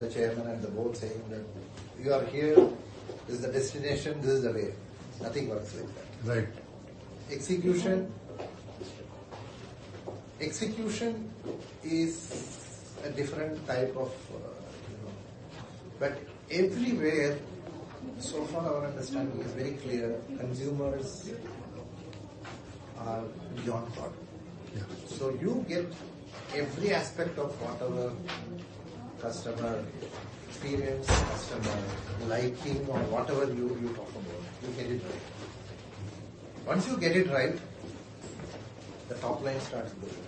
The chairman and the board saying that, You are here. This is the destination, this is the way. Nothing works like that. Right. Execution. Execution is a different type of, you know, everywhere, so far our understanding is very clear, consumers are beyond God. Yeah. You get every aspect of whatever customer experience, customer liking or whatever you talk about, you get it right. Once you get it right, the top line starts building.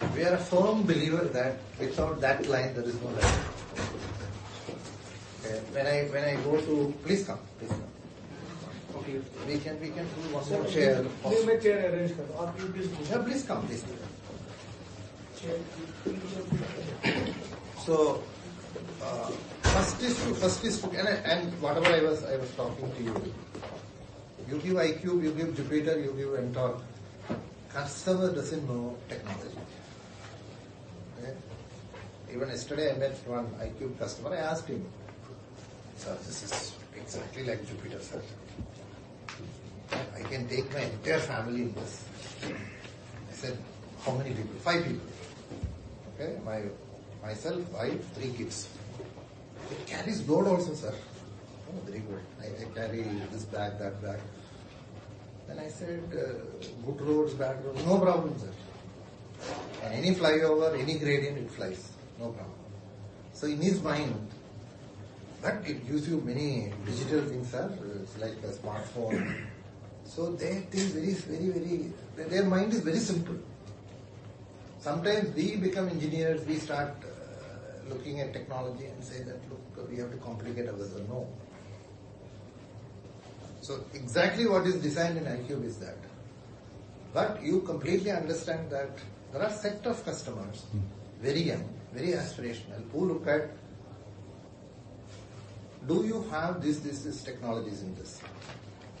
Okay. We are a firm believer that without that line there is no line. Please come. Okay. We can do one more chair. We may share a range. No, please come. Please come. Chair. First is to whatever I was talking to you. You give iQube, you give Jupiter, you give Ntorq. Customer doesn't know technology. Okay? Even yesterday I met one iQube customer, I asked him, Sir, this is exactly like Jupiter, sir. I can take my entire family in this. I said, How many people? Five people. Okay. Myself, wife, three kids. It carries load also, sir. Oh, very good. I carry this bag, that bag. Then I said, Good roads, bad roads. No problem, sir. Any flyover, any gradient it flies, no problem. In his mind, But it gives you many digital things, sir. It's like a smartphone. They think very. Their mind is very simple. Sometimes we become engineers, we start looking at technology and say that, Look, we have to complicate our lives. No. Exactly what is designed in iQube is that. You completely understand that there are set of customers- Mm. Very young, very aspirational, who look at: Do you have this, this technologies in this?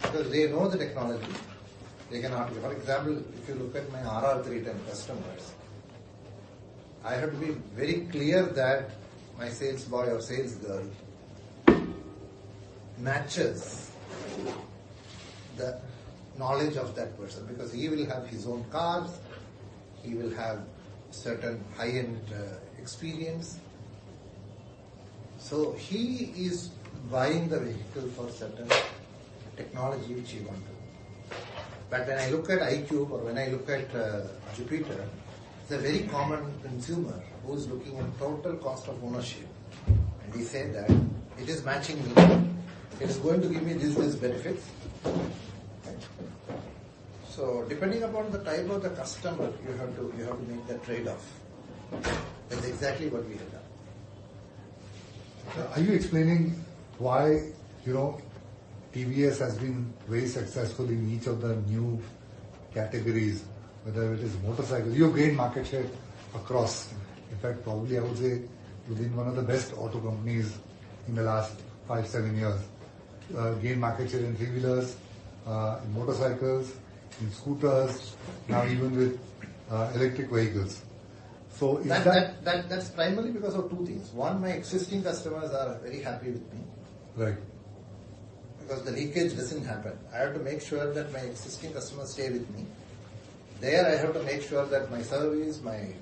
Because they know the technology, they can argue. For example, if you look at my Apache RR 310 customers, I have to be very clear that my sales boy or sales girl matches the knowledge of that person, because he will have his own cars, he will have certain high-end experience. So he is buying the vehicle for certain technology which he wants. But when I look at iQube or when I look at Jupiter, it's a very common consumer who is looking at total cost of ownership. And he said that, It is matching me. It is going to give me these benefits. Right. So depending upon the type of the customer, you have to make that trade-off. That's exactly what we have done. Sir, are you explaining why, you know, TVS has been very successful in each of the new categories, whether it is motorcycles. You have gained market share across. In fact, probably I would say you've been one of the best auto companies in the last five years, seven years. Gained market share in three-wheelers, in motorcycles, in scooters. Mm-hmm. Now even with electric vehicles. Is that? That's primarily because of two things. One, my existing customers are very happy with me. Right. Because the leakage doesn't happen. I have to make sure that my existing customers stay with me. There I have to make sure that my service, my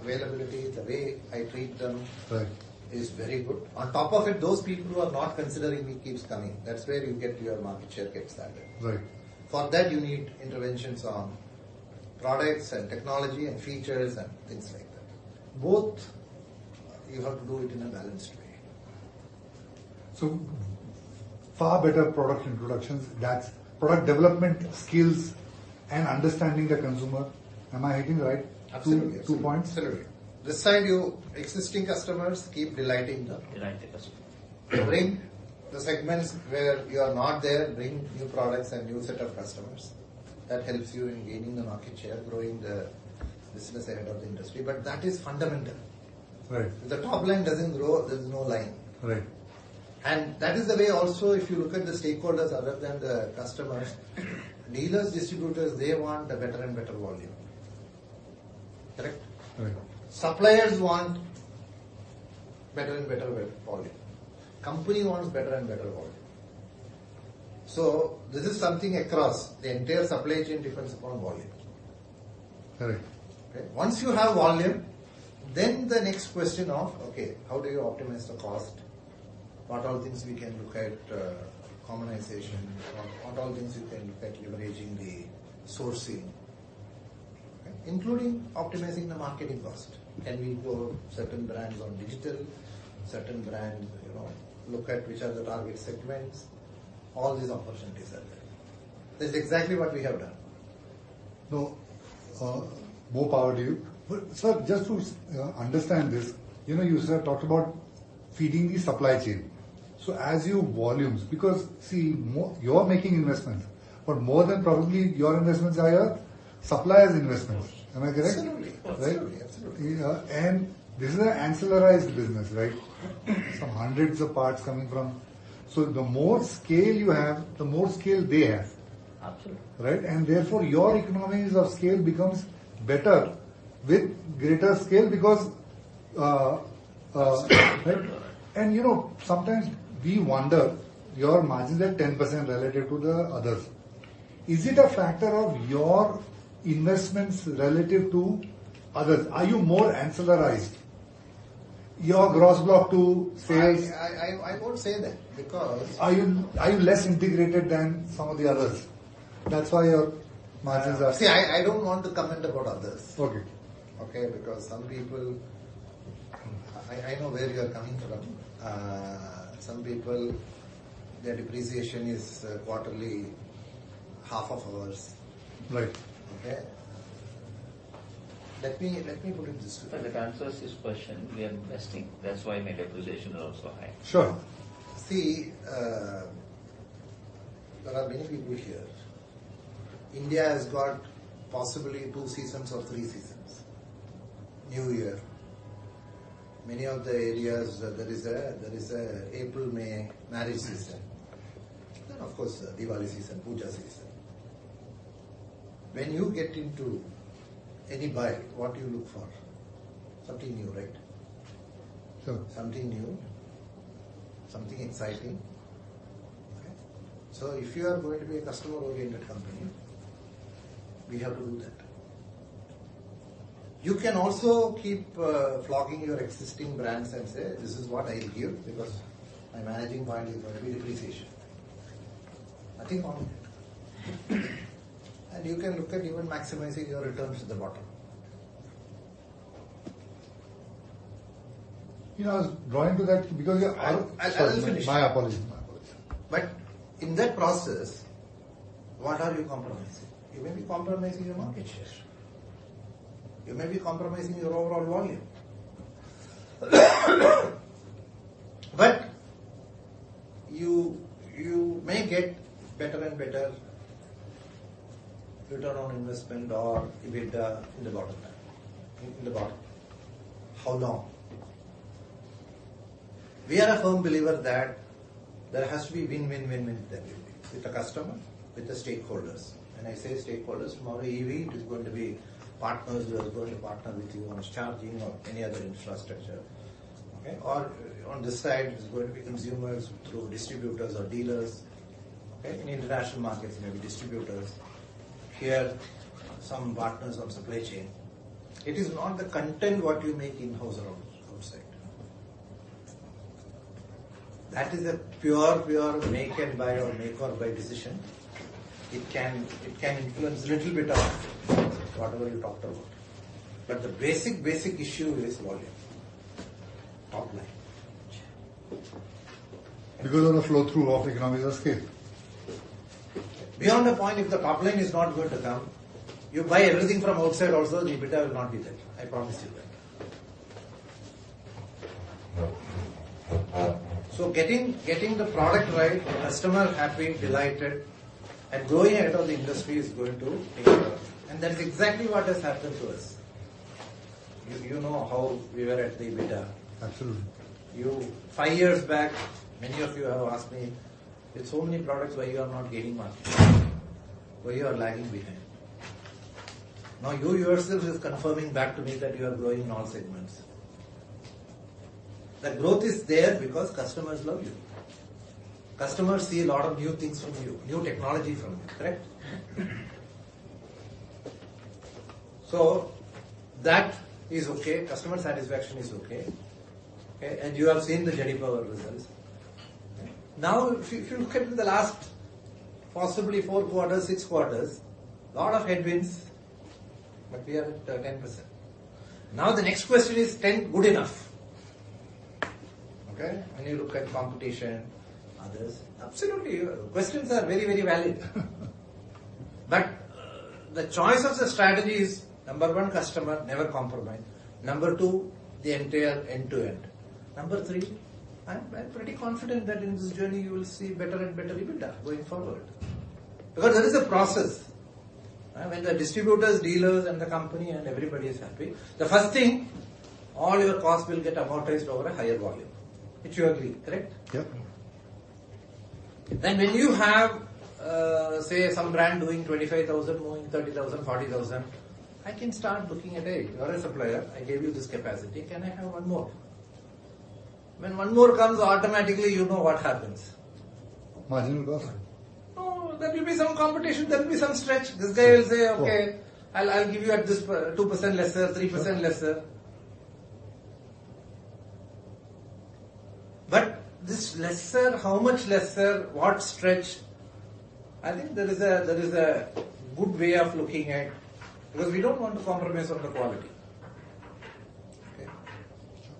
availability, the way I treat them. Right. This is very good. On top of it, those people who are not considering me keeps coming. That's where you get your market share gets added. Right. For that you need interventions on products and technology and features and things like that. Both, you have to do it in a balanced way. Far better product introductions, that's product development skills and understanding the consumer. Am I hitting right? Absolutely. 2.2 points. Absolutely. This side, your existing customers, keep delighting them. Delight the customer. Bring the segments where you are not there, bring new products and new set of customers. That helps you in gaining the market share, growing the business ahead of the industry. That is fundamental. Right. If the top line doesn't grow, there's no line. Right. That is the way also, if you look at the stakeholders other than the customers, dealers, distributors, they want a better and better volume. Correct? Very good. Suppliers want better and better volume. Company wants better and better volume. This is something across the entire supply chain depends upon volume. Correct. Okay. Once you have volume, then the next question of, okay, how do you optimize the cost? What are things we can look at, commonization? What are things you can look at leveraging the sourcing? Including optimizing the marketing cost. Can we go certain brands on digital, certain brands, you know, look at which are the target segments. All these opportunities are there. That's exactly what we have done. More power to you. Sir, just to understand this, you know, you, sir, talked about feeding the supply chain. As your volumes... Because you're making investments. More than probably your investments are your suppliers' investments. Am I correct? Absolutely. Right. Absolutely. Absolutely. Yeah. This is an ancillaries business, right? Correct. Some hundreds of parts coming from. The more scale you have, the more scale they have. Absolutely. Right? Therefore, your economies of scale becomes better with greater scale because. Right? You know, sometimes we wonder, your margin is at 10% relative to the others. Is it a factor of your investments relative to others? Are you more ancillarized? Your gross block to sales. I won't say that because. Are you less integrated than some of the others? That's why your margins are See, I don't want to comment about others. Okay. Okay? Because some people, I know where you are coming from. Some people, their depreciation is quarterly half of ours. Right. Okay? Let me put it this way. That answers his question. We are investing. That's why my depreciation is also high. Sure. See, there are many people here. India has got possibly two seasons or three seasons. New year. Many of the areas there is a April, May marriage season. Then, of course, Diwali season, Puja season. When you get into any buy, what do you look for? Something new, right? Sure. Something new, something exciting. Okay? If you are going to be a customer-oriented company, we have to do that. You can also keep flogging your existing brands and say, This is what I'll give, because my main selling point is going to be depreciation. Nothing wrong with it. You can look at even maximizing your returns at the bottom. You know, I was driving at that because you're I'll finish. Sorry. My apologies. In that process, what are you compromising? You may be compromising your market share. You may be compromising your overall volume. You may get better and better return on investment or EBITDA in the bottom line, in the bottom. How long? We are a firm believer that there has to be win-win then. With the customer, with the stakeholders. When I say stakeholders, from our EV, it is going to be partners who are going to partner with you on charging or any other infrastructure. Okay? Or on this side, it's going to be consumers through distributors or dealers. Okay? In international markets, maybe distributors. Here, some partners on supply chain. It is not the content what you make in-house or outside. That is a pure make-and-buy or make-or-buy decision. It can influence little bit of whatever you talked about. The basic issue is volume. Top line. Because of the flow through of economies of scale. Beyond the point, if the top line is not going to come, you buy everything from outside also, the EBITDA will not be there. I promise you that. No. Getting the product right, the customer happy, delighted, and going ahead of the industry is going to take care of. That is exactly what has happened to us. You know how we were at the EBITDA. Absolutely. Five years back, many of you have asked me, It's so many products. Why you are not gaining market share? Why you are lagging behind? Now, you yourself is confirming back to me that you are growing in all segments. The growth is there because customers love you. Customers see a lot of new things from you, new technologies from you, correct? That is okay. Customer satisfaction is okay. Okay? You have seen the J.D. Power results. Okay? Now, if you look at the last possibly four quarters, six quarters, lot of headwinds, but we are at 10%. Now, the next question, is 10 good enough? Okay? When you look at competition, others. Absolutely. Questions are very, very valid. The choice of the strategy is, number one, customer never compromise. Number two, the entire end-to-end. Number three, I'm pretty confident that in this journey you will see better and better EBITDA going forward. Because there is a process, when the distributors, dealers and the company and everybody is happy. The first thing, all your costs will get amortized over a higher volume. Which you agree, correct? Yep. When you have, say some brand doing 25,000, doing 30,000, 40,000, I can start looking at, Hey, you're a supplier. I gave you this capacity. Can I have one more? When one more comes, automatically you know what happens. Margin will go up. No, there will be some competition, there will be some stretch. This guy will say. Sure Okay, I'll give you 2% lesser, 3% lesser. This lesser, how much lesser, what stretch? I think there is a good way of looking at it, because we don't want to compromise on the quality.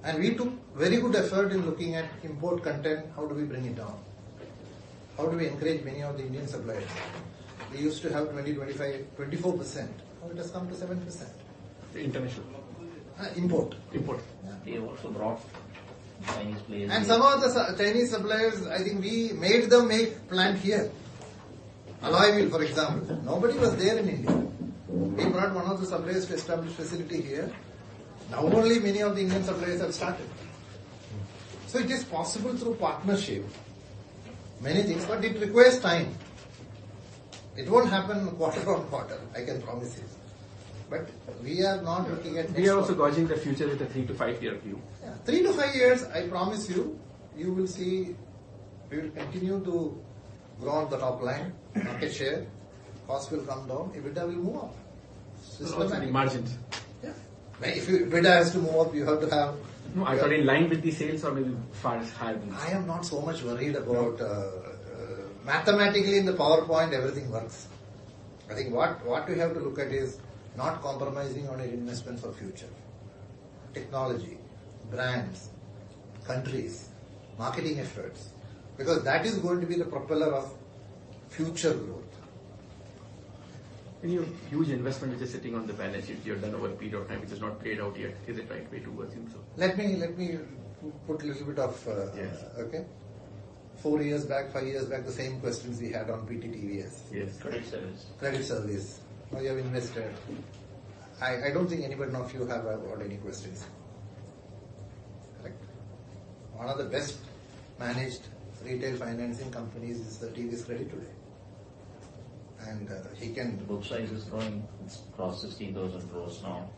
Okay? We took very good effort in looking at import content, how do we bring it down? How do we encourage many of the Indian suppliers? We used to have 20%, 25%, 24%. Now it has come to 7%. The international? Import. Import. Yeah. They also brought Chinese players here. Some of the Chinese suppliers, I think we made them make plant here. Alloy Wheel, for example. Nobody was there in India. We brought one of the suppliers to establish facility here. Now only many of the Indian suppliers have started. It is possible through partnership, many things, but it requires time. It won't happen quarter on quarter, I can promise you. We are not looking at export. We are also gauging the future with a three year-five year view. Yeah. In three year-five years, I promise you will see we will continue to grow on the top line, market share, cost will come down, EBITDA will move up. Also margins. Yeah. If EBITDA has to move up, you have to have. No, are you in line with the sales or will you file higher than that? I am not so much worried about. Mathematically, in the PowerPoint, everything works. I think what we have to look at is not compromising on an investment for future. Technology, brands, countries, marketing efforts, because that is going to be the propeller of future growth. Your huge investment which is sitting on the balance sheet, you have done over a period of time, which is not paid out yet, is it right way to assume so? Let me put a little bit of Yes. Okay. Four years back, five years back, the same questions we had on PT TVS. Yes. Credit Services. Credit Services. We have invested. I don't think anyone of you have got any questions. Correct. One of the best managed retail financing companies is the TVS Credit Services today. He can- The book size is growing. It's crossed 16,000 crore now.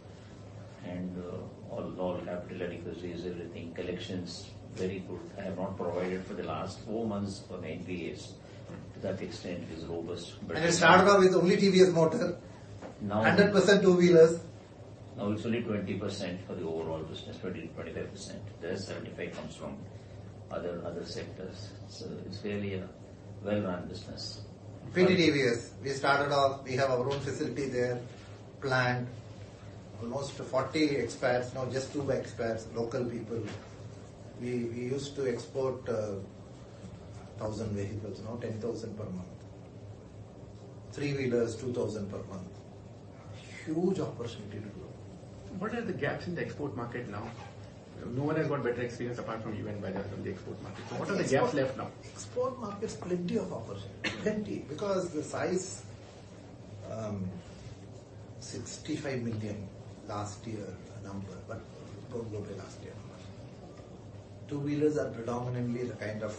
All capital adequacy is everything. Collections, very good. I have not provided for the last four months for NPAs. To that extent, it is robust. It started off with only TVS Motor. Now- 100% two-wheelers. Now it's only 20% for the overall business, 20%-25%. The 75% comes from other sectors. It's really a well-run business. PT TVS, we started off. We have our own facility there, plant. Almost 40 expats, now just two expats, local people. We used to export 1,000 vehicles. Now 10,000 per month. Three-wheelers, 2,000 per month. Huge opportunity to grow. What are the gaps in the export market now? No one has got better experience apart from you and Bajaj from the export market. What are the gaps left now? Export market has plenty of opportunity. Plenty, because the size, 65 million last year number, but globally last year number. Two-wheelers are predominantly the kind of.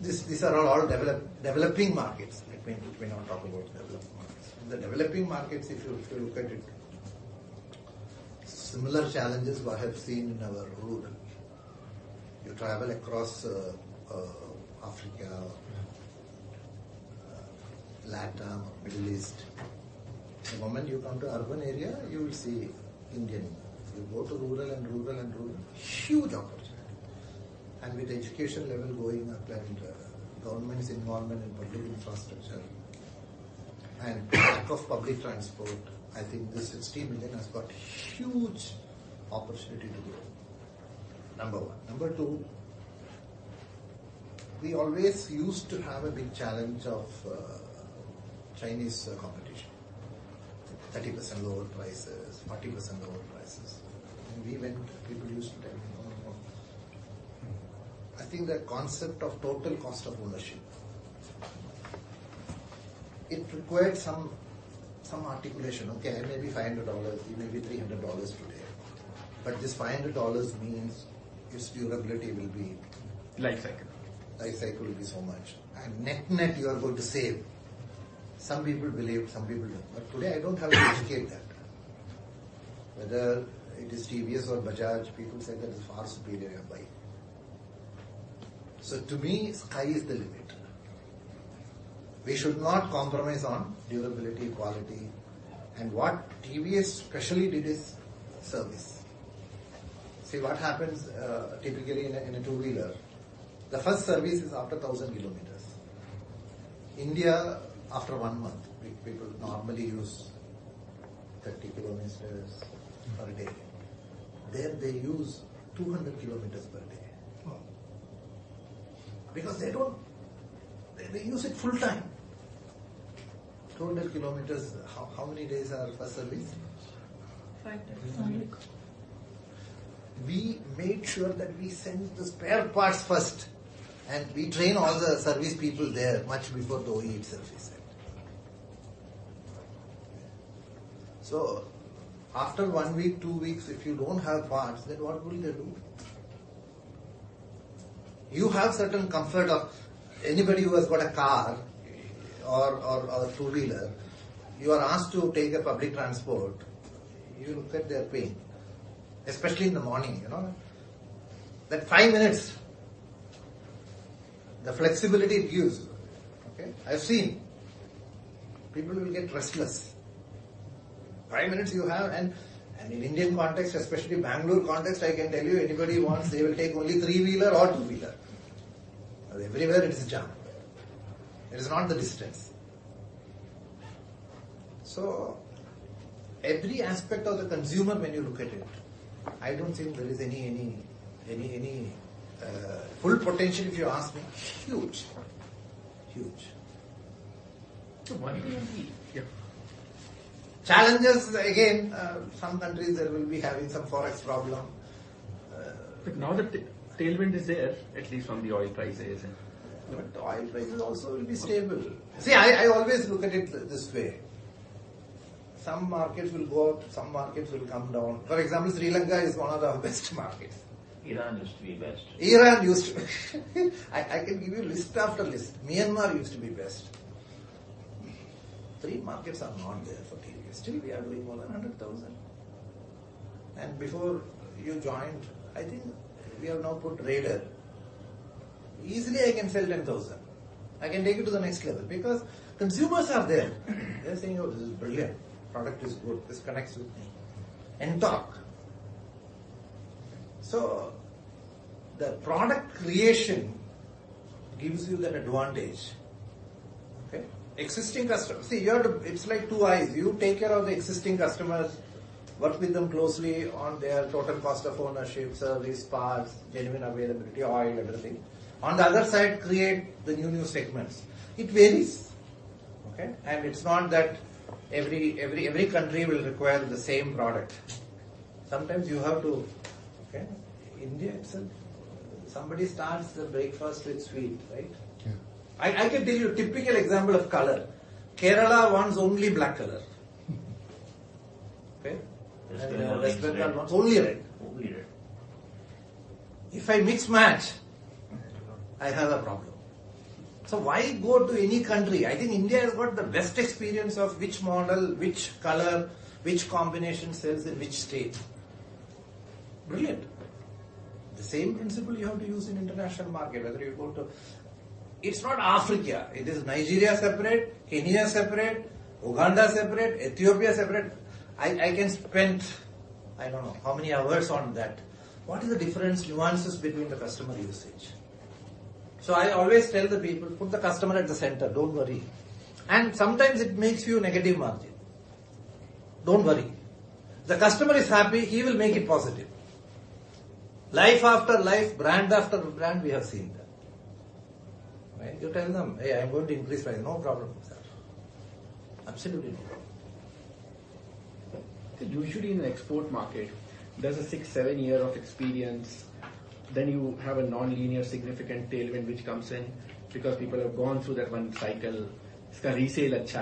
These are all developing markets. We may not talk about developed markets. In the developing markets, if you look at it, similar challenges what I have seen in our rural. You travel across Africa, LATAM, Middle East. The moment you come to urban area, you will see Indian. If you go to rural, huge opportunity. With the education level going up and government's involvement in building infrastructure and lack of public transport, I think this 60 million has got huge opportunity to grow. Number one. Number two, we always used to have a big challenge of Chinese competition. 30% lower prices, 40% lower prices. We went... People used to tell me, No, no. I think the concept of total cost of ownership, it required some articulation. Okay, I maybe $500, you maybe $300 today. But this $500 means its durability will be. Life cycle. Life cycle will be so much. Net-net, you are going to save. Some people believe, some people don't. Today, I don't have to educate them. Whether it is TVS or Bajaj, people say that it's far superior whereby. To me, sky is the limit. We should not compromise on durability, quality. What TVS especially did is service. See, what happens, typically in a two-wheeler, the first service is after 1,000 km. India, after one month, people normally use 30 km per day. There they use 200 km per day. Wow. Because they don't. They use it full-time. 200 km, how many days are per service? Five days. We made sure that we send the spare parts first, and we train all the service people there much before the OE itself is sent. After one week, two weeks, if you don't have parts, then what will they do? You have certain comfort of anybody who has got a car or a two-wheeler, you are asked to take a public transport, you look at their pain, especially in the morning, you know? That five minutes, the flexibility it gives, okay? I've seen people will get restless. Five minutes you have, and in Indian context, especially Bangalore context, I can tell you anybody wants, they will take only three-wheeler or two-wheeler. Everywhere it is jam. It is not the distance. Every aspect of the consumer when you look at it, I don't think there is any. Full potential, if you ask me, huge. Huge. What do you mean? Yeah. Challenges, again, some countries they will be having some Forex problem. Now the tailwind is there, at least from the oil prices. Oil prices also will be stable. See, I always look at it this way. Some markets will go up, some markets will come down. For example, Sri Lanka is one of our best markets. Iran used to be best. Iran used to be. I can give you list after list. Myanmar used to be best. Three markets are not there for TVS. Still, we are doing more than 100,000. Before you joined, I think we have now put Raider. Easily, I can sell 10,000. I can take it to the next level because consumers are there. They're saying, Oh, this is brilliant. Product is good. This connects with me. And talk. The product creation gives you that advantage. Okay? Existing customers. See, you have to. It's like two eyes. You take care of the existing customers, work with them closely on their total cost of ownership, service, parts, genuine availability, oil, everything. On the other side, create the new segments. It varies. Okay? It's not that every country will require the same product. Sometimes you have to. Okay. India itself, somebody starts their breakfast with sweet, right? Yeah. I can tell you a typical example of color. Kerala wants only black color. Okay? Rajasthan wants red. Rajasthan wants only red. Only red. If I mix match. It's a problem. I have a problem. Why go to any country? I think India has got the best experience of which model, which color, which combination sells in which state. Brilliant. The same principle you have to use in international market, whether you go to. It is not Africa. It is Nigeria separate, Kenya separate, Uganda separate, Ethiopia separate. I can spend, I don't know how many hours on that. What is the difference, nuances between the customer usage? I always tell the people, put the customer at the center. Don't worry. Sometimes it makes you negative margin. Don't worry. The customer is happy, he will make it positive. Life after life, brand after brand, we have seen that, right? You tell them, Hey, I'm going to increase price. No problem with that. Absolutely no problem. Usually in an export market, there's a six year-seven year of experience. You have a nonlinear significant tailwind which comes in because people have gone through that one cycle. It's got resale. See,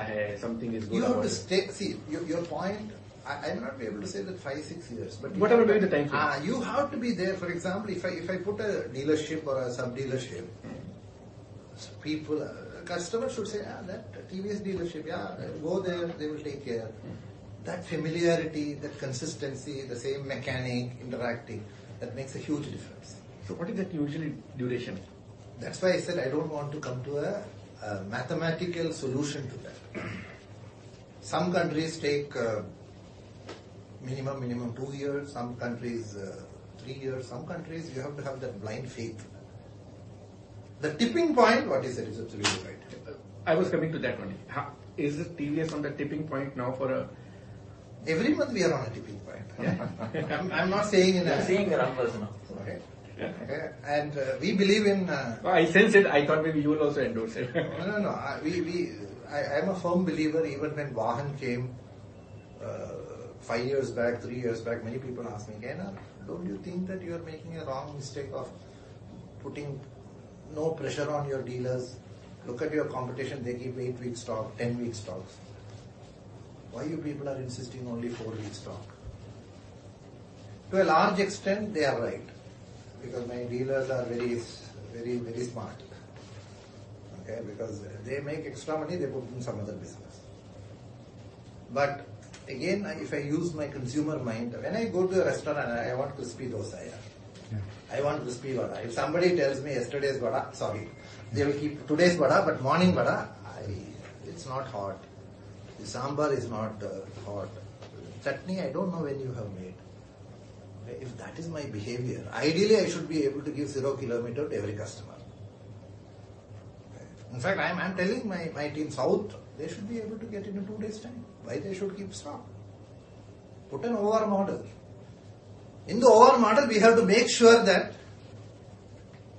your point, I may not be able to say that five years-six years, but you- Whatever be the time frame. You have to be there. For example, if I put a dealership or a sub-dealership, people, customer should say, that TVS dealership. Yeah, go there. They will take care. That familiarity, that consistency, the same mechanic interacting, that makes a huge difference. What is that usually duration? That's why I said I don't want to come to a mathematical solution to that. Some countries take minimum two years, some countries three years, some countries you have to have that blind faith. The tipping point, what is it? It's really right. I was coming to that only. Is TVS on the tipping point now for a- Every month we are on a tipping point. Yeah. I'm not saying in a- You're seeing the numbers now. Okay. Yeah. Okay. We believe in Oh, I sense it. I thought maybe you will also endorse it. No, no. I'm a firm believer, even when Wuhan came, five years back, three years back, many people asked me, Gana, don't you think that you're making a wrong mistake of putting no pressure on your dealers? Look at your competition. They give eight-week stock, 10-week stocks. Why you people are insisting only four-week stock? To a large extent, they are right because my dealers are very, very smart. Okay? Because if they make extra money, they put in some other business. Again, if I use my consumer mind, when I go to a restaurant and I want crispy dosa. Yeah I want crispy vada. If somebody tells me yesterday's vada, sorry. They will keep today's vada, but morning vada, It's not hot. The sambar is not hot. Chutney, I don't know when you have made. If that is my behavior, ideally, I should be able to give zero kilometer to every customer. In fact, I am telling my team South, they should be able to get it in two days' time. Why they should keep stock? Put an order model. In the order model, we have to make sure that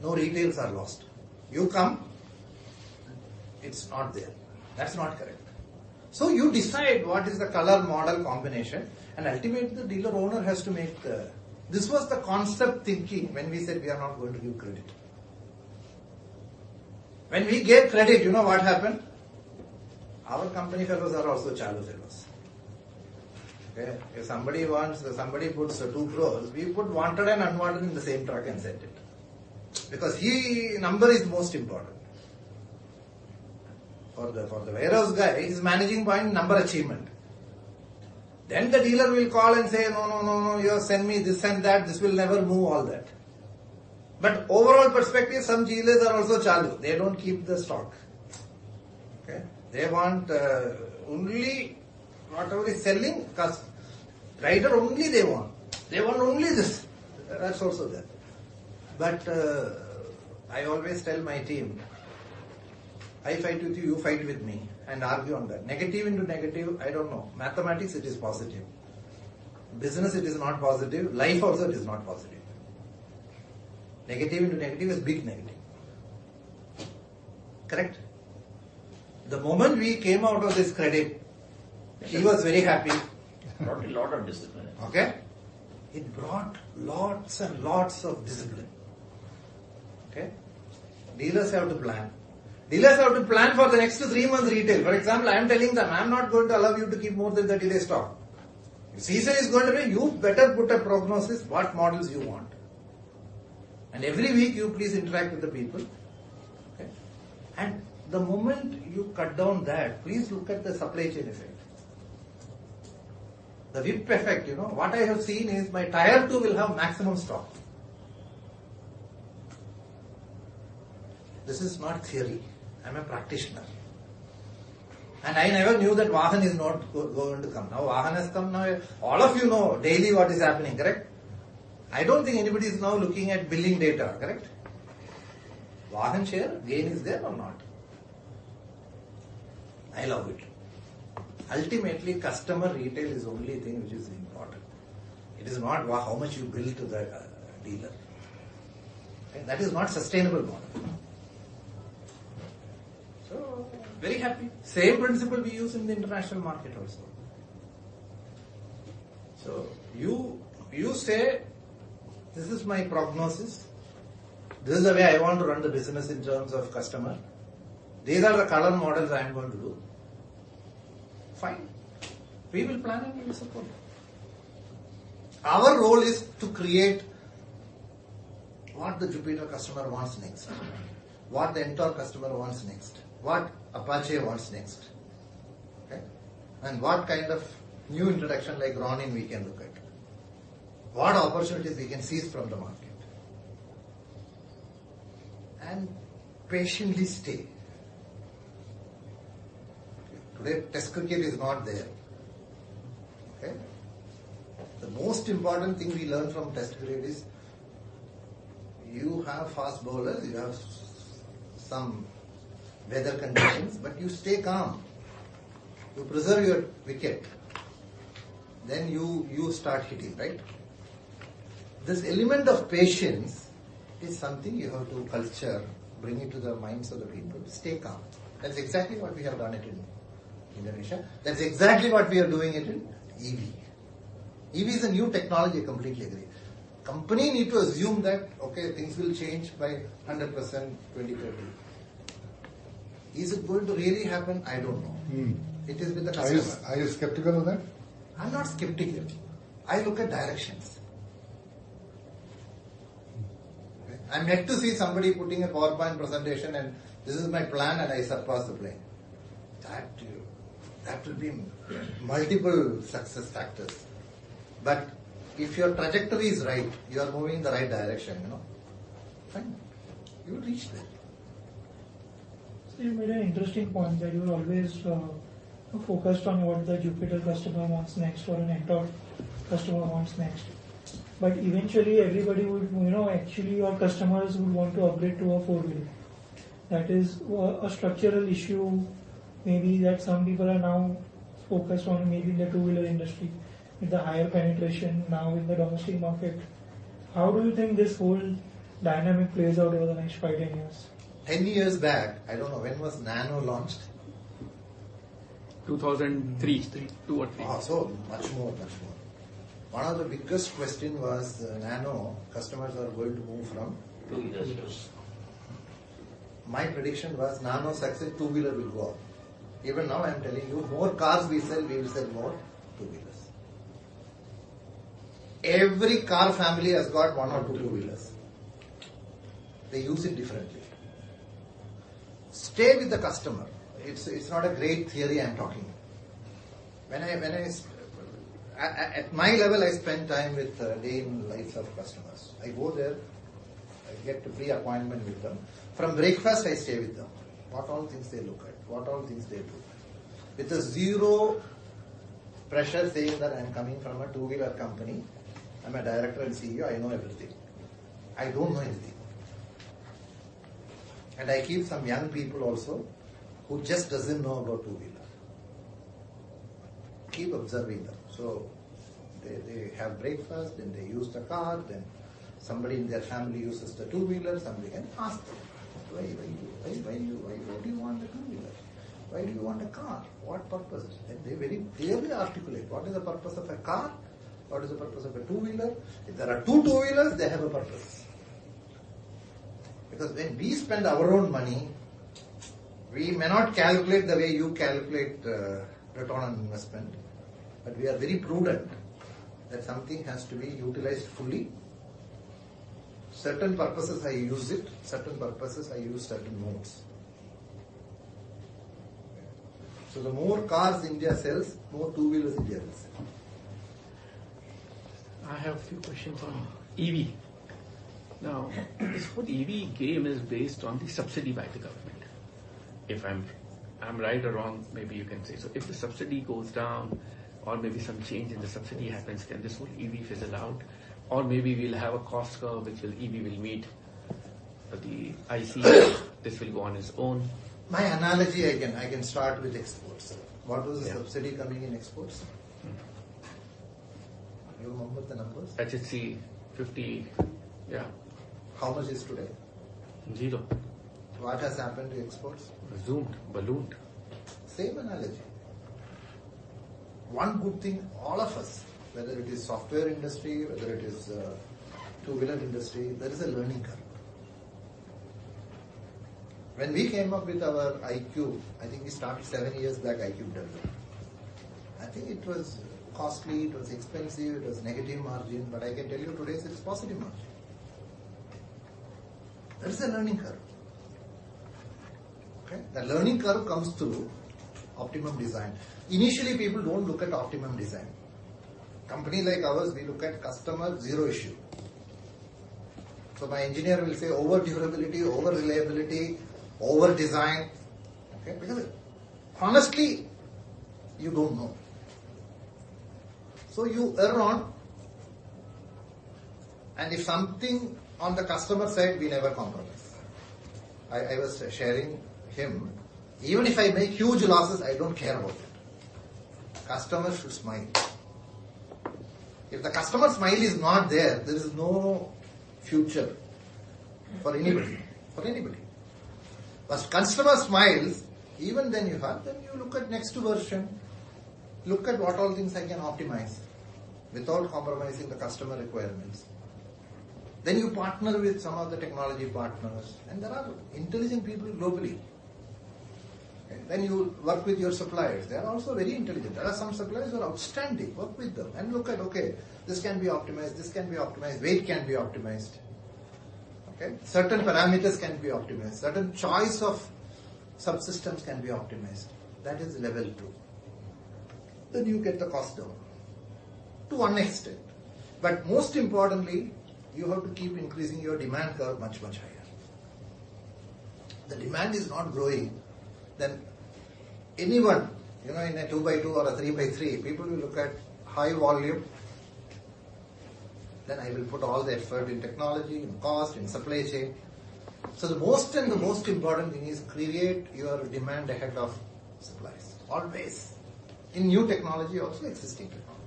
no retails are lost. You come, it's not there. That's not correct. You decide what is the color model combination, and ultimately the dealer owner has to make the. This was the concept thinking when we said we are not going to give credit. When we gave credit, you know what happened? Our company fellows are also chaalu fellows. Okay? If somebody wants, if somebody puts 2 crore, we put wanted and unwanted in the same truck and send it. Because he, number is most important. For the warehouse guy, his managing point, number achievement. Then the dealer will call and say, No, no, no. You send me this and that. This will never move, all that. Overall perspective, some dealers are also chaalu. They don't keep the stock. Okay? They want only... Not only selling, cus- Raider only they want. They want only this. That's also there. I always tell my team, I fight with you fight with me, and argue on that. Negative into negative, I don't know. Mathematics, it is positive. Business, it is not positive. Life also, it is not positive. Negative into negative is big negative. Correct? The moment we came out of this credit, he was very happy. Brought a lot of discipline. Okay. It brought lots and lots of discipline. Okay? Dealers have to plan. Dealers have to plan for the next three months retail. For example, I'm telling them, I'm not going to allow you to keep more than 30 days stock. If season is going to be, you better put a prognosis what models you want. And every week you please interact with the people. Okay? The moment you cut down that, please look at the supply chain effect. The whip effect, you know. What I have seen is my Tier 2 will have maximum stock. This is not theory. I'm a practitioner. I never knew that Vahan is not going to come. Now, Vahan has come. Now, all of you know daily what is happening, correct? I don't think anybody is now looking at billing data, correct? Vahan share gain is there or not? I love it. Ultimately, customer retail is the only thing which is important. It is not how much you bill to the dealer. Right? That is not sustainable model. Very happy. Same principle we use in the international market also. You say, This is my prognosis. This is the way I want to run the business in terms of customer. These are the color models I am going to do. Fine. We will plan and we will support. Our role is to create what the Jupiter customer wants next, what the NTORQ customer wants next, what Apache wants next. Okay? What kind of new introduction like Ronin we can look at. What opportunities we can seize from the market. Patiently stay. Okay? Today, test cricket is not there. Okay? The most important thing we learn from test cricket is you have fast bowlers, you have some weather conditions, but you stay calm. You preserve your wicket. You start hitting, right? This element of patience is something you have to cultivate, bring it to the minds of the people. Stay calm. That's exactly what we have done in Indonesia. That's exactly what we are doing in EV. EV is a new technology, I completely agree. Company need to assume that, okay, things will change by 100% 2030. Is it going to really happen? I don't know. Mm-hmm. It is with the customer. Are you skeptical of that? I'm not skeptical. I look at directions. Mm-hmm. Okay? I'm yet to see somebody putting a PowerPoint presentation and this is my plan and I surpass the plan. That will be multiple success factors. If your trajectory is right, you are moving in the right direction, you know? Fine. You will reach there. Sir, you made an interesting point that you're always focused on what the Jupiter customer wants next or an NTORQ customer wants next. Eventually everybody would. You know, actually your customers would want to upgrade to a four-wheeler. That is a structural issue maybe that some people are now focused on maybe in the two-wheeler industry with the higher penetration now in the domestic market. How do you think this whole dynamic plays out over the next five years, 10 years? 10 years back, I don't know, when was Nano launched? 2003. Oh, so much more, much more. One of the biggest question was, Nano customers are going to move from- Two-wheelers. Two-wheelers. My prediction was Nano success, two-wheeler will go up. Even now I'm telling you, more cars we sell, we will sell more two-wheelers. Every car family has got one or two two-wheelers. They use it differently. Stay with the customer. It's not a great theory I'm talking. When I at my level, I spend time with day in the lives of customers. I go there, I get a pre-appointment with them. From breakfast, I stay with them. What all things they look at, what all things they do. With zero pressure saying that I'm coming from a two-wheeler company. I'm a director and CEO, I know everything. I don't know anything. I keep some young people also who just doesn't know about two-wheeler. Keep observing them. They have breakfast, then they use the car, then somebody in their family uses the two-wheeler. Ask them, Why do you want a two-wheeler? Why do you want a car? What purpose? They very clearly articulate what is the purpose of a car, what is the purpose of a two-wheeler. If there are two two-wheelers, they have a purpose. Because when we spend our own money, we may not calculate the way you calculate, return on investment, but we are very prudent that something has to be utilized fully. Certain purposes I use it, certain purposes I use certain modes. The more cars India sells, more two-wheelers India sells. I have a few questions on EV. Now, this whole EV game is based on the subsidy by the government. If I'm right or wrong, maybe you can say so. If the subsidy goes down or maybe some change in the subsidy happens, can this whole EV fizzle out? Or maybe we'll have a cost curve which EV will meet the ICE, this will go on its own. My analogy, again, I can start with exports. Yeah. What was the subsidy coming in exports? Mm-hmm. You remember the numbers? I should see 50. Yeah. How much is today? Zero. What has happened to exports? Zoomed. Ballooned. Same analogy. One good thing, all of us, whether it is software industry, whether it is two-wheeler industry, there is a learning curve. When we came up with our iQube, I think we started seven years back, iQube W. I think it was costly, it was expensive, it was negative margin, but I can tell you today it's positive margin. There is a learning curve. Okay. The learning curve comes through optimum design. Initially, people don't look at optimum design. Companies like ours, we look at customer zero issue. So my engineer will say over-durability, over-reliability, over-design, okay. Because honestly, you don't know. So you err on. If something on the customer side, we never compromise. I was sharing him. Even if I make huge losses, I don't care about that. Customer should smile. If the customer smile is not there is no future for anybody. For anybody. Once customer smiles, then you look at next version. Look at what all things I can optimize without compromising the customer requirements. You partner with some of the technology partners, and there are intelligent people globally. Okay? You work with your suppliers. They are also very intelligent. There are some suppliers who are outstanding. Work with them and look at, okay, this can be optimized, weight can be optimized. Okay? Certain parameters can be optimized. Certain choice of subsystems can be optimized. That is level two. You get the cost down to one extent. Most importantly, you have to keep increasing your demand curve much, much higher. The demand is not growing, then anyone, you know, in a two-by-two or a three-by-three, people will look at high volume. I will put all the effort in technology, in cost, in supply chain. The most important thing is create your demand ahead of suppliers, always. In new technology also, existing technology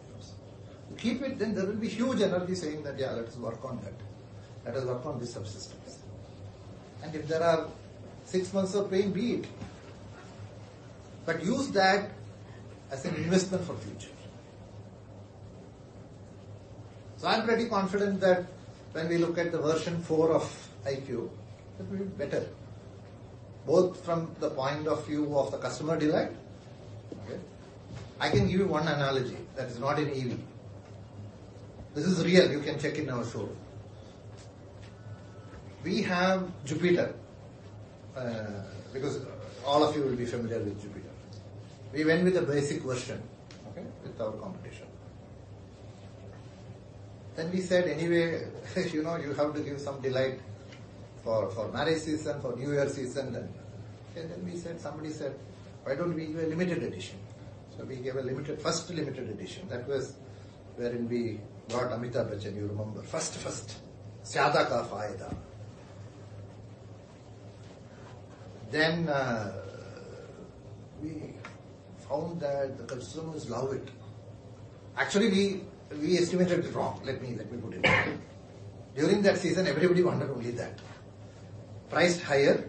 also. You keep it, then there will be huge energy saying that, Yeah, let us work on that. Let us work on these subsystems. If there are six months of pain, be it. Use that as an investment for future. I'm pretty confident that when we look at the version 4 of iQube, it will be better, both from the point of view of the customer delight. Okay? I can give you one analogy that is not in EV. This is real. You can check in our showroom. We have Jupiter, because all of you will be familiar with Jupiter. We went with the basic version, okay? With our competition. We said, anyway, you know, you have to give some delight for marriage season, for New Year season. Okay? Somebody said, Why don't we give a limited edition? We gave the first limited edition. That was wherein we brought Amitabh Bachchan, you remember. First. Zyaada ka faayda. We found that the consumers love it. Actually, we estimated it wrong. Let me put it that way. During that season, everybody wanted only that. Priced higher,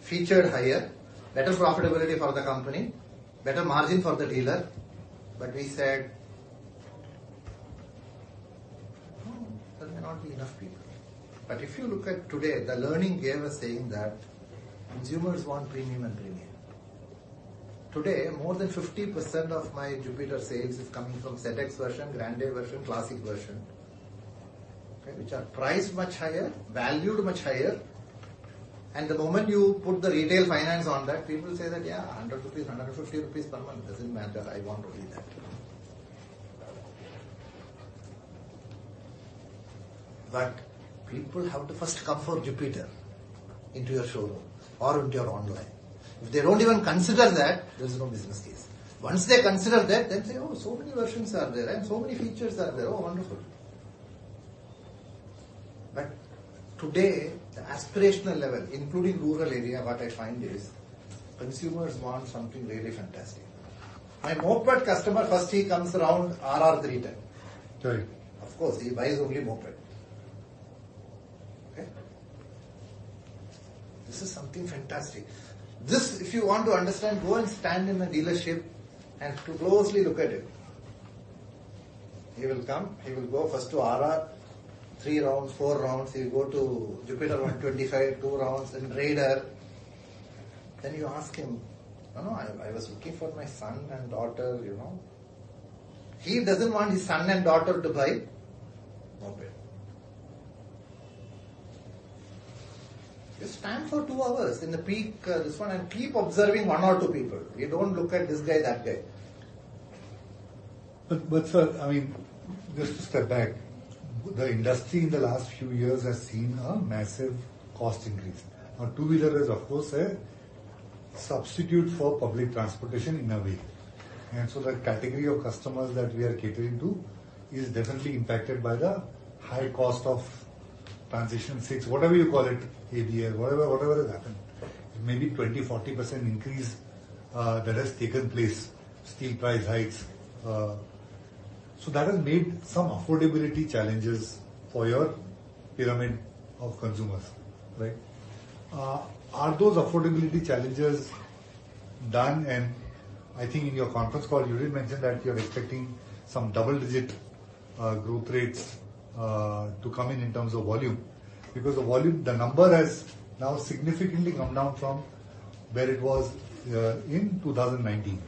featured higher, better profitability for the company, better margin for the dealer. We said, No, there may not be enough people. If you look at today, the learning here was saying that consumers want premium and premium. Today, more than 50% of my Jupiter sales is coming from ZX version, Grande version, Classic version. Which are priced much higher, valued much higher. The moment you put the retail finance on that, people say that, Yeah, 100 rupees, 150 rupees per month. It doesn't matter. I want only that. People have to first come for Jupiter into your showroom or into your online. If they don't even consider that, there's no business case. Once they consider that, then say, Oh, so many versions are there and so many features are there. Oh, wonderful. Today, the aspirational level, including rural area, what I find is consumers want something really fantastic. My moped customer, first he comes around RR 310. Right. Of course, he buys only moped. Okay? This is something fantastic. This, if you want to understand, go and stand in a dealership and closely look at it. He will come, he will go first to RR, three rounds, four rounds. He'll go to Jupiter 125, two rounds, then Raider. Then you ask him. No, no, I was looking for my son and daughter, you know? He doesn't want his son and daughter to buy moped. Just stand for two hours in the peak, this one, and keep observing one or two people. You don't look at this guy, that guy. Sir, I mean, just to step back, the industry in the last few years has seen a massive cost increase. A two-wheeler is of course a substitute for public transportation in a way. The category of customers that we are catering to is definitely impacted by the high cost of BS-VI, whatever you call it, [ADR], whatever has happened. Maybe 20%-40% increase that has taken place. Steel price hikes. That has made some affordability challenges for your pyramid of consumers, right? Are those affordability challenges done? I think in your conference call you did mention that you're expecting some double-digit growth rates to come in in terms of volume. Because the volume, the number has now significantly come down from where it was in 2019.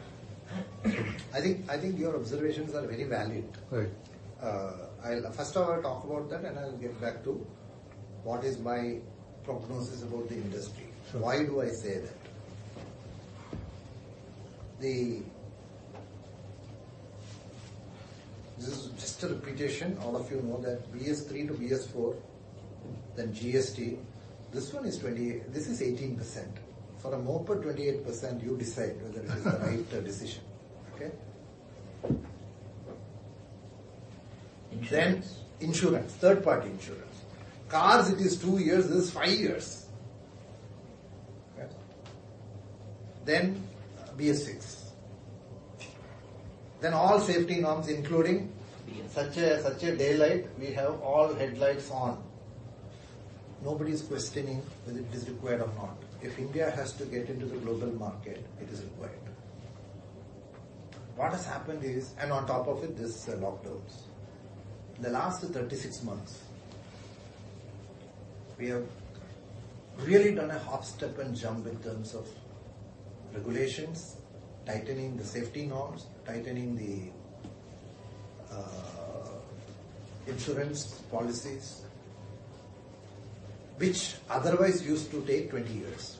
I think your observations are very valid. Right. I'll first of all talk about that and I'll get back to what is my prognosis about the industry. Sure. Why do I say that? This is just a repetition. All of you know that BS III to BS IV, then GST. This one is 28%, this is 18%. For a moped, 28%, you decide whether it is the right decision. Okay? Insurance. Insurance. Third-party insurance. Cars, it is two years. This is five years. Okay? BS VI. All safety norms, including such as daylight, we have all headlights on. Nobody's questioning whether it is required or not. If India has to get into the global market, it is required. What has happened is. On top of it, these lockdowns. The last 36 months, we have really done a hop, step, and jump in terms of regulations, tightening the safety norms, tightening the insurance policies, which otherwise used to take 20 years.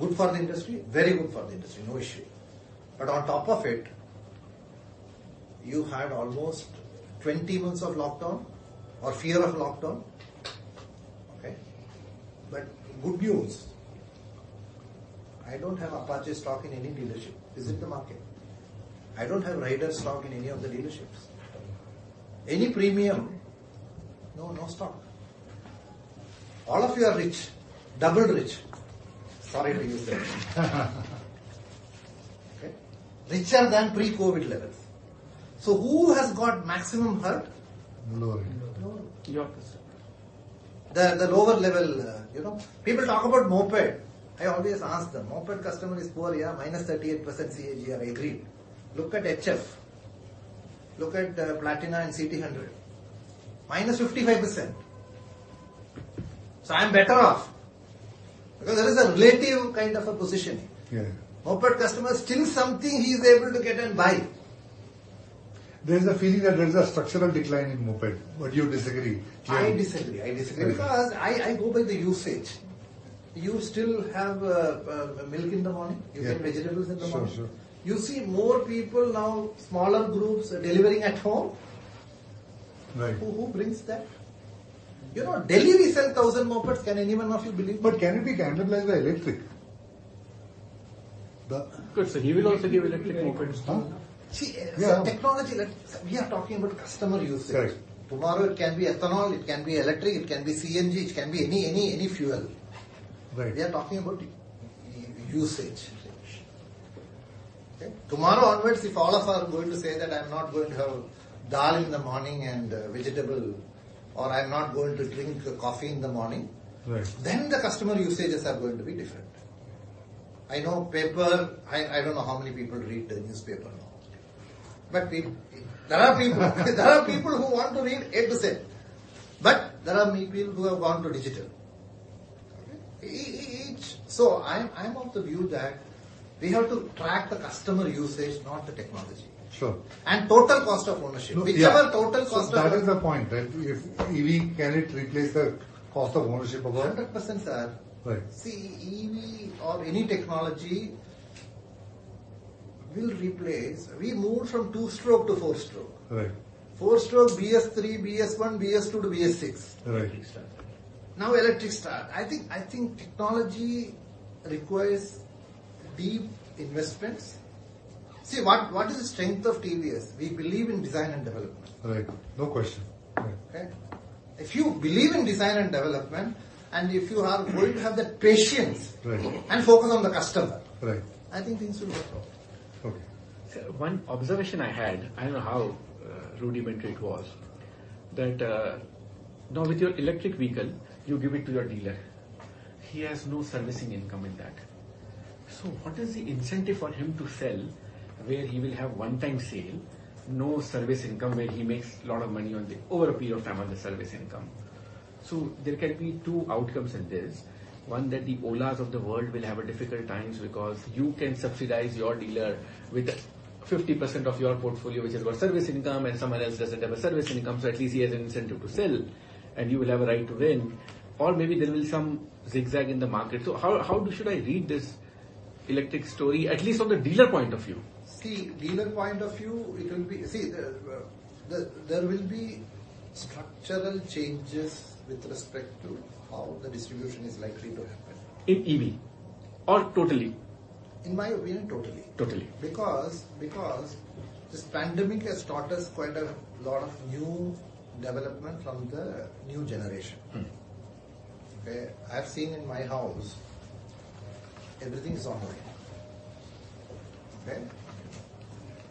Good for the industry, very good for the industry, no issue. On top of it, you had almost 20 months of lockdown or fear of lockdown. Okay? Good news, I don't have Apache stock in any dealership. Visit the market. I don't have Raider stock in any of the dealerships. Any premium, no stock. All of you are rich, double rich. Sorry to use that. Okay? Richer than pre-COVID levels. Who has got maximum hurt? Lower. Lower. Your customer. The lower level. People talk about moped. I always ask them, moped customer is poor, yeah, -38% CAGR, agreed. Look at HF. Look at Platina and CT 100, -55%. I am better off because there is a relative kind of a position. Yeah. Moped customer, still something he is able to get and buy. There's a feeling that there is a structural decline in moped. You disagree clearly. I disagree. I disagree. Okay. Because I go by the usage. You still have milk in the morning. Yeah. You get vegetables in the morning. Sure. Sure. You see more people now, smaller groups delivering at home. Right. Who brings that? You know, daily we sell 1,000 mopeds. Can anyone of you believe it? Can it be cannibalized by electric? Good, sir. Hero also give electric mopeds too. Huh? See, Sir, we are talking about customer usage. Right. Tomorrow it can be ethanol, it can be electric, it can be CNG, it can be any fuel. Right. We are talking about usage. Okay? Tomorrow onwards, if all of us are going to say that I'm not going to have dal in the morning and vegetable or I'm not going to drink a coffee in the morning- Right... the customer usages are going to happen to be different. I don't know how many people read the newspaper now. There are people who want to read A to Z, but there are many people who have gone to digital. Okay. I'm of the view that we have to track the customer usage, not the technology. Sure. Total cost of ownership. No. Yeah. Because our total cost of. That is the point, right? If EV, can it replace the cost of ownership of a- 100%, sir. Right. See, EV or any technology will replace. We moved from two-stroke to four-stroke. Right. Four-stroke, BS III, BS I, BS II to BS VI. Right. Electric start. Now electric start. I think technology requires deep investments. See, what is the strength of TVS? We believe in design and development. Right. No question. Right. Okay? If you believe in design and development, and if you are going to have the patience. Right focus on the customer. Right I think things will work out. Okay. Sir, one observation I had, I don't know how rudimentary it was, that now with your electric vehicle, you give it to your dealer. He has no servicing income in that. What is the incentive for him to sell where he will have one-time sale, no service income, where he makes a lot of money over a period of time on the service income? There can be two outcomes in this. One, that the Ola's of the world will have difficult times because you can subsidize your dealer with 50% of your portfolio which has got service income and someone else doesn't have a service income, so at least he has an incentive to sell and you will have a right to win or maybe there will be some zigzag in the market. How should I read this electric story, at least from the dealer point of view? See, there will be structural changes with respect to how the distribution is likely to happen. In EV or totally? In my opinion, totally. Totally. Because this pandemic has taught us quite a lot of new development from the new generation. Mm-hmm. Okay? I've seen in my house everything is online. Okay?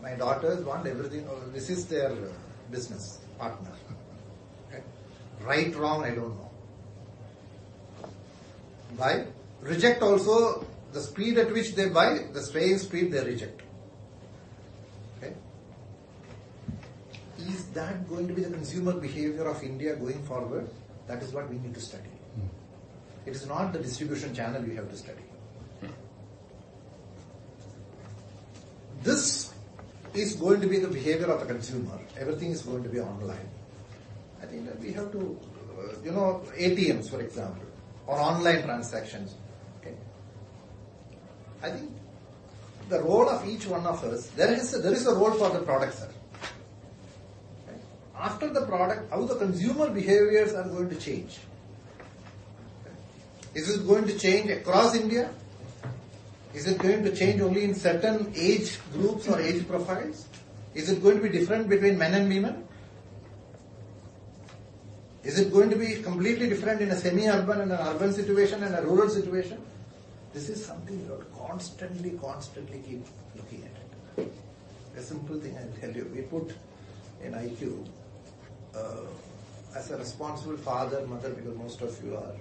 My daughters want everything. This is their business partner. Okay? Right, wrong, I don't know. Buy, reject also the speed at which they buy, the same speed they reject. Okay? Is that going to be the consumer behavior of India going forward? That is what we need to study. Mm-hmm. It's not the distribution channel we have to study. Mm-hmm. This is going to be the behavior of the consumer. Everything is going to be online. I think that we have to. You know, ATMs, for example, or online transactions. Okay? I think the role of each one of us. There is a role for the product, sir. Okay? After the product, how the consumer behaviors are going to change. Okay? Is it going to change across India? Is it going to change only in certain age groups or age profiles? Is it going to be different between men and women? Is it going to be completely different in a semi-urban and an urban situation and a rural situation? This is something you have to constantly keep looking at it. A simple thing I'll tell you, we put in iQube as a responsible father and mother, because most of you are,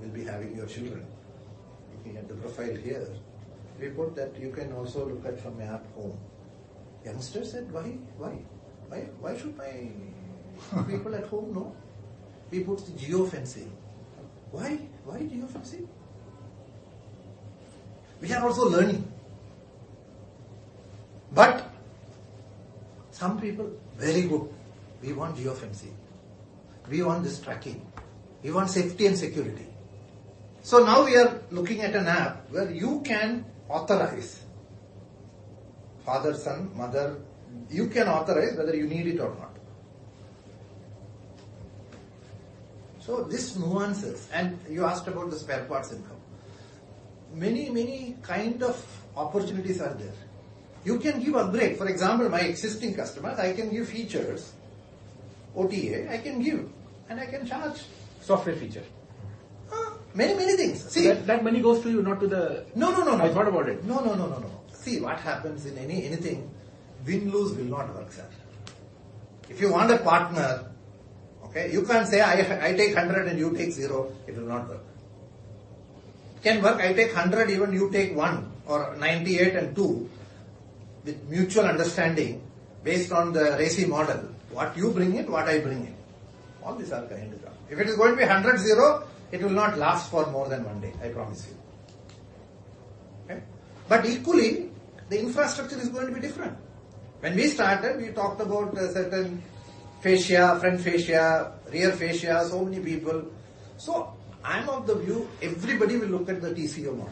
will be having your children. Looking at the profile here, we put that you can also look at from your home. Youngster said, Why? Why? Why? Why should my people at home know? We put geofencing. Why? Why geofencing? We are also learning. Some people, very good, we want geofencing. We want this tracking. We want safety and security. Now we are looking at an app where you can authorize father, son, mother. You can authorize whether you need it or not. These nuances. You asked about the spare parts income. Many, many kind of opportunities are there. You can give upgrade. For example, my existing customer, I can give features. OTA, I can give, and I can charge. Software feature? Many things. That money goes to you, not to the. No, no, no. I thought about it. No, no. See what happens in anything, win-lose will not work, sir. If you want a partner, okay, you can't say, I take 100 and you take zero, it will not work. It can work, I take 100, even you take one or 98 and two with mutual understanding based on the RACI model, what you bring in, what I bring in. All these are kind of job. If it is going to be 100 zero, it will not last for more than one day, I promise you. Okay? Equally, the infrastructure is going to be different. When we started, we talked about certain fascia, front fascia, rear fascia, so many people. I'm of the view everybody will look at the TCO model.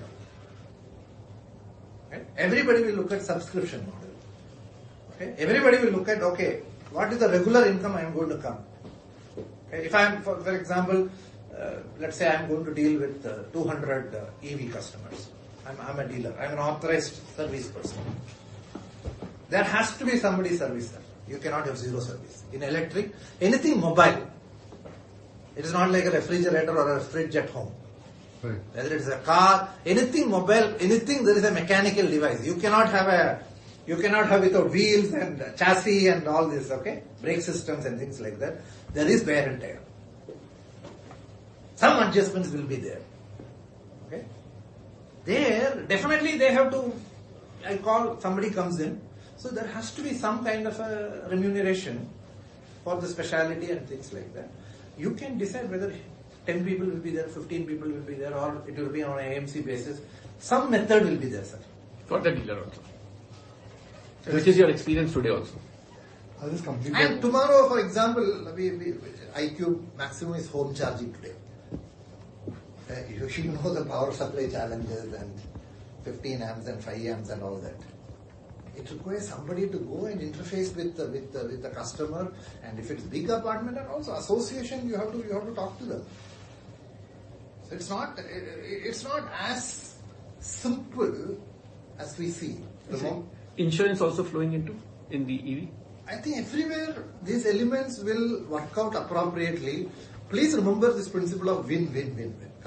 Okay? Everybody will look at subscription model. Okay? Everybody will look at, okay, what is the regular income I am going to come? Okay. If I'm, for example, let's say I'm going to deal with 200 EV customers. I'm a dealer. I'm an authorized service person. There has to be somebody service that. You cannot have zero service. In electric, anything mobile, it is not like a refrigerator or a fridge at home. Right. Whether it's a car, anything mobile, anything that is a mechanical device, you cannot have without wheels and chassis and all this, okay? Brake systems and things like that. There is wear and tear. Some adjustments will be there. Okay? There, definitely they have to. I call, somebody comes in. There has to be some kind of a remuneration for the specialty and things like that. You can decide whether 10 people will be there, 15 people will be there, or it will be on AMC basis. Some method will be there, sir. For the dealer also, which is your experience today also. I'll just complete that. Tomorrow, for example, iQube maximum is home charging today. You should know the power supply challenges and 15 amps and 5 amps and all that. It requires somebody to go and interface with the customer. If it's big apartment and also association, you have to talk to them. It's not as simple as we see. You know? Is insurance also flowing into the EV? I think everywhere these elements will work out appropriately. Please remember this principle of win, win.